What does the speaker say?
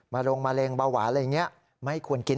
โรงมะเร็งเบาหวานอะไรอย่างนี้ไม่ควรกิน